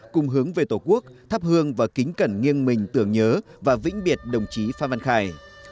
cùng hướng về tổ quốc thắp hương và kính cẩn nghiêng mình tưởng nhớ và vĩnh biệt đồng chí phan văn khải